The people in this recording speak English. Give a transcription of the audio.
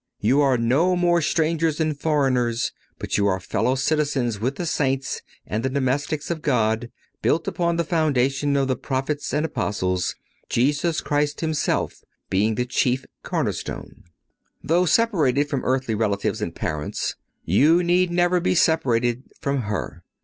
"You are no more strangers and foreigners, but you are fellow citizens with the Saints and the domestics of God, built upon the foundation of the Prophets and Apostles, Jesus Christ Himself being the chief cornerstone."(112) Though separated from earthly relatives and parents, you need never be separated from her.